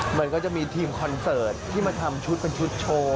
มันก็จะมีทีมคอนเสิร์ตที่มาทำชุดเป็นชุดโชว์